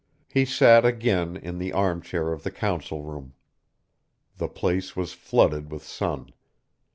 He sat again in the arm chair of the Council Room. The place was flooded with sun.